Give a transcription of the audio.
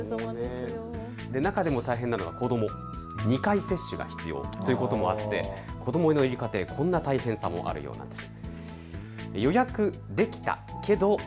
中でも大変なのは子ども、２回接種が必要ということもあって子どものいる家庭、こんな大変さがあるようです。